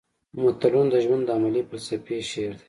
متلونه د ژوند د عملي فلسفې شعر دي